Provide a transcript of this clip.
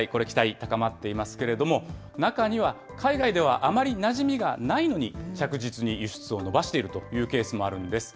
農林水産物の輸出拡大、これ、期待高まっていますけれども、中には、海外ではあまりなじみがないのに、着実に輸出を伸ばしているというケースもあるんです。